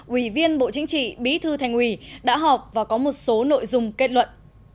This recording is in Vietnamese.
ủy viên bộ chính trị bí thư thành ủy đã họp và có một số nội dung kết luận